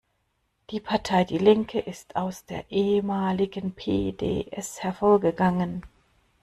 Die Partei die Linke ist aus der ehemaligen P-D-S hervorgegangen.